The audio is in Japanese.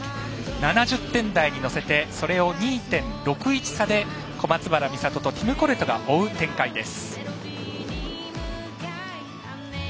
７０点台に乗せてそれを２．６１差で小松原美里とティム・コレトが追う展開です。